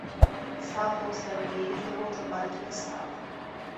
South Oyster Bay is the water body to the south.